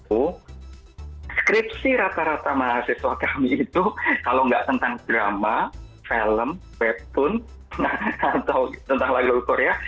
skripsi rata rata mahasiswa kami itu kalau nggak tentang drama film webtoon atau tentang lagu lagu korea